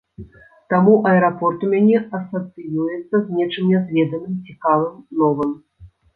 Таму аэрапорт у мяне асацыюецца з нечым нязведаным, цікавым, новым.